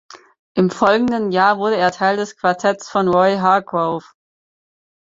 Im folgenden Jahr wurde er Teil des Quartetts von Roy Hargrove.